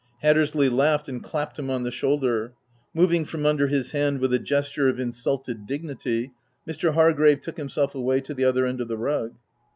Hattersley laughed, and clap ped him on the shoulder. Moving from under his hand with a gesture of insulted dignity, Mr. Hargrave took himself away to the other end of the rug.